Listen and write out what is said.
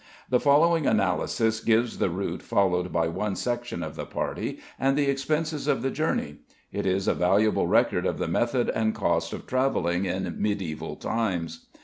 The following analysis gives the route followed by one section of the party and the expenses of the journey: it is a valuable record of the method and cost of travelling in medieval times.